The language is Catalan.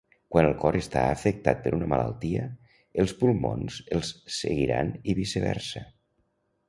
Quan el cor està afectat per una malaltia, els pulmons els seguiran i viceversa.